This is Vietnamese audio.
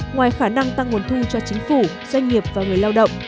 ngoài khả năng tăng nguồn thu cho chính phủ doanh nghiệp và người lao động